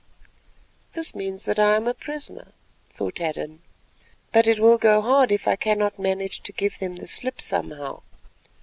"This means that I am a prisoner," thought Hadden, "but it will go hard if I cannot manage to give them the slip somehow.